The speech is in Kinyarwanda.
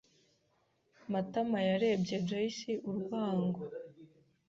Matama yarebye Joyci urwango.